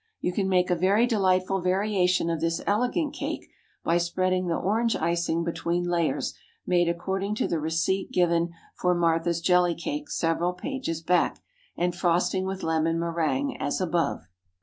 You can make a very delightful variation of this elegant cake, by spreading the orange icing between layers made according to the receipt given for "Martha's Jelly Cake" several pages back, and frosting with lemon méringue, as above.